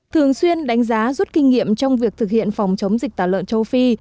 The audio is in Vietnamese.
thường xuyên đánh giá rút kinh nghiệm trong việc thực hiện phòng chống dịch tả lợn châu phi